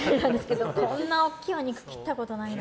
こんな大きいお肉切ったことないな。